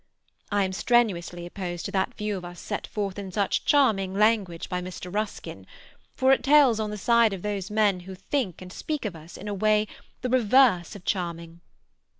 I am strenuously opposed to that view of us set forth in such charming language by Mr. Ruskin—for it tells on the side of those men who think and speak of us in a way the reverse of charming.